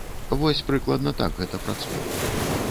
Вось прыкладна так гэта працуе.